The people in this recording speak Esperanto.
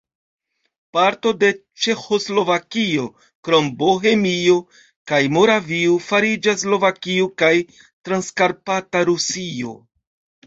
Parto de Ĉeĥoslovakio krom Bohemio kaj Moravio fariĝas Slovakio kaj Transkarpata Rusio.